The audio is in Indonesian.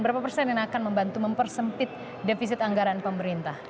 berapa persen yang akan membantu mempersempit defisit anggaran pemerintah